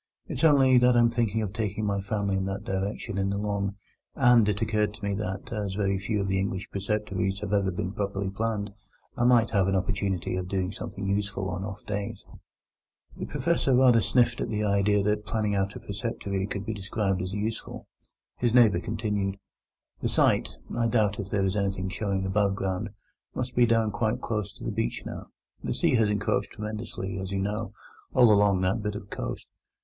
It's only that I'm thinking of taking my family in that direction in the Long, and it occurred to me that, as very few of the English preceptories have ever been properly planned, I might have an opportunity of doing something useful on off days." The Professor rather sniffed at the idea that planning out a preceptory could be described as useful. His neighbour continued: "The site—I doubt if there is anything showing above ground—must be down quite close to the beach now. The sea has encroached tremendously, as you know, all along that bit of coast.